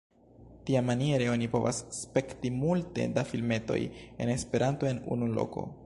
Tiamaniere oni povas spekti multe da filmetoj en Esperanto en unu loko.